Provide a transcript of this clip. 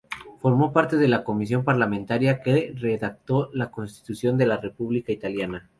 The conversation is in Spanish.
Formó parte de la comisión parlamentaria que redactó la Constitución de la República Italiana.